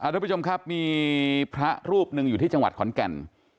ทุกผู้ชมครับมีพระรูปหนึ่งอยู่ที่จังหวัดขอนแก่น